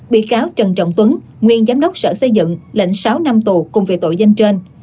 bị cáo trần trọng tuấn nguyên giám đốc sở xây dựng lệnh sáu năm tù cùng về tội danh trên